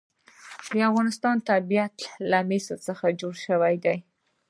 د افغانستان طبیعت له مس څخه جوړ شوی دی.